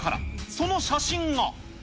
その写真が。